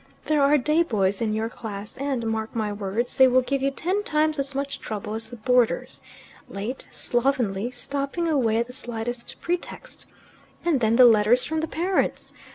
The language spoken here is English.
There are day boys in your class, and, mark my words, they will give you ten times as much trouble as the boarders, late, slovenly, stopping away at the slightest pretext. And then the letters from the parents!